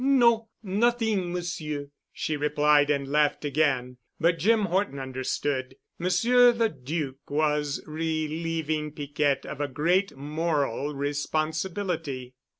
"No—nothing, Monsieur," she replied and laughed again. But Jim Horton understood. Monsieur the Duc was relieving Piquette of a great moral responsibility.